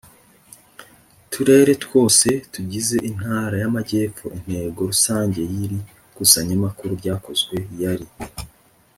Turere twose tugize Intara y Amajyepfo Intego rusange y iri kusanyamakuru ryakozwe yari